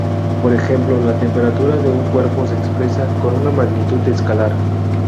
Por ejemplo, la temperatura de un cuerpo se expresa con una magnitud escalar.